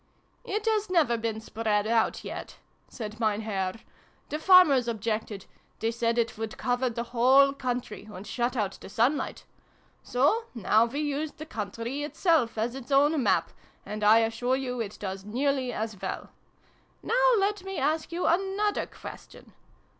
"It has never been spread out, yet," said Mein Herr :" the farmers objected : they said it would cover the whole country, and shut out the sunlight ! So we now use the country it self, as its own map, and I assure you it does nearly as well. Now let me ask you another question.